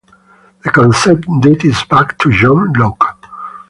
The concept dates back to John Locke.